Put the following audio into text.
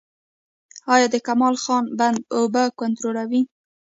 آیا د کمال خان بند اوبه کنټرولوي؟